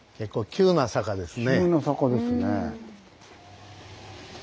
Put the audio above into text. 急な坂ですね。